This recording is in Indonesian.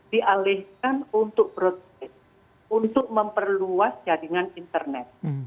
dialihkan untuk proses untuk memperluas jaringan internet